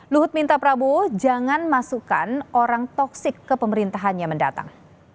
luhut minta prabowo jangan masukkan orang toksik ke pemerintahannya mendatang